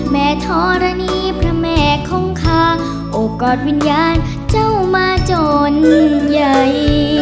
แม่ทรณีพระแม่คงคาโอกาสวิญญาณเจ้ามาจนใหญ่